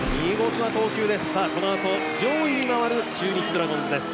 このあと上位に回る中日ドラゴンズです。